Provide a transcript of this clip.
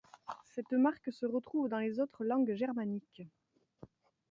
Cette marque se retrouve dans les autres langues germaniques.